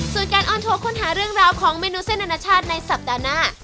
ส่วนการออนทัวร์ค้นหาเรื่องราวของเมนูเส้นอนาชาติในสัปดาห์หน้า